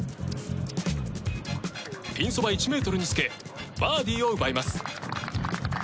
ピンそば１ｍにつけバーディーを奪います。